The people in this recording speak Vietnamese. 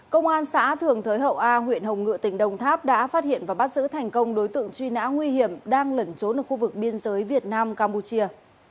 công an xã thường thới hậu a huyện hồng ngựa tỉnh đồng tháp đã phát hiện và bắt giữ thành công đối tượng truy nã nguy hiểm đang lẩn trốn ở khu vực biên giới việt nam campuchia